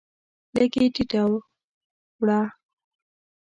لږ یې ټیټه وړوه.